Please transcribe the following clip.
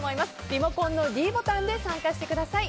リモコンのｄボタンで参加してください。